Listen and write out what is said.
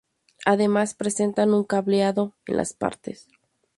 Además presenta un cableado en las partes.